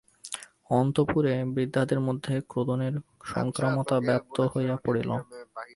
অন্তঃপুরে বৃদ্ধাদের মধ্যে ক্রন্দনের সংক্রামকতা ব্যাপ্ত হইয়া পড়িল।